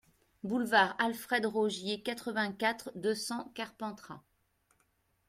Boulevard Alfred Rogier, quatre-vingt-quatre, deux cents Carpentras